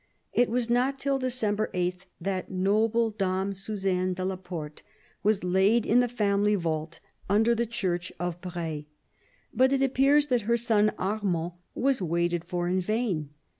It was not till December 8 that "noble dame Suzanne de la Porte " was laid in the family vault under the church THE BISHOP OF I UgON 87 of Braye. But it appears that her son Armand was waited for in vain.